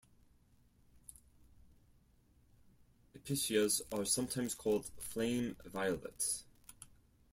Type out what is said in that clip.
Episcias are sometimes called "Flame violets".